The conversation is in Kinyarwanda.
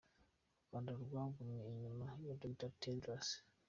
U Rwanda rwagumye inyuma ya Dr Tedros.